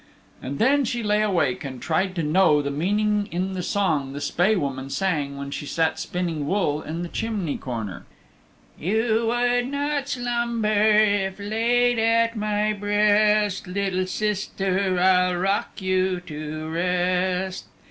And then she lay awake and tried to know the meaning in the song the Spae Woman sang when she sat spinning wool in the chimney Corner You would not slumber If laid at my breast! Little sister, I'll rock you to rest!